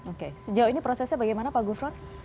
oke sejauh ini prosesnya bagaimana pak gufron